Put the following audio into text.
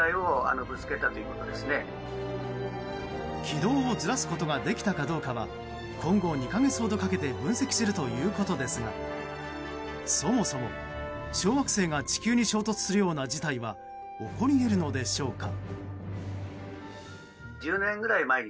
軌道をずらすことができたかどうかは今後２か月ほどかけて分析するということですがそもそも小惑星が地球に衝突するような事態は起こり得るのでしょうか。